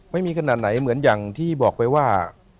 ไม่มีขนาดไหนเหมือนอย่างที่บอกไปว่า